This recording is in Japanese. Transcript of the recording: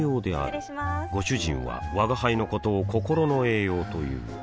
失礼しまーすご主人は吾輩のことを心の栄養という